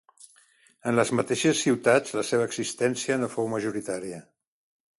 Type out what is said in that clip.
En les mateixes ciutats la seva existència no fou majoritària.